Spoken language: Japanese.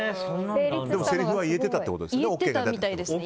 せりふは言えてたってことですね。